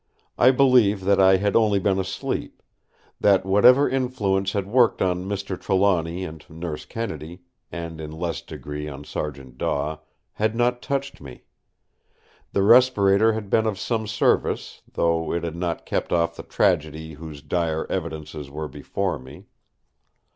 I believe that I had only been asleep; that whatever influence had worked on Mr. Trelawny and Nurse Kennedy—and in less degree on Sergeant Daw—had not touched me. The respirator had been of some service, though it had not kept off the tragedy whose dire evidences were before me.